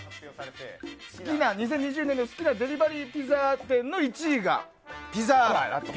２０２２年好きなデリバリーピザ店の１位がピザーラだと。